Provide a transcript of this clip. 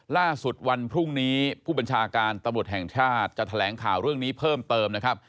วันพรุ่งนี้ผู้บัญชาการตำรวจแห่งชาติจะแถลงข่าวเรื่องนี้เพิ่มเติมนะครับ